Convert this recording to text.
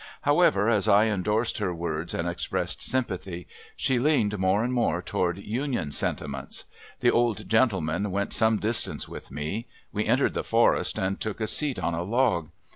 However, as I endorsed her words and expressed sympathy, she leaned more and more toward Union sentiments. The old gentleman went some distance with me. We entered the forest and took a seat on a log.